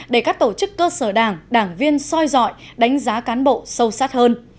để các tổ chức cơ sở đảng đảng viên soi dọi đánh giá cán bộ sâu sát hơn